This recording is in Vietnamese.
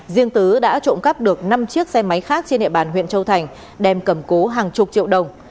riêng tứ đã trộm cắp được năm chiếc xe máy khác trên địa bàn huyện châu thành đem cầm cố hàng chục triệu đồng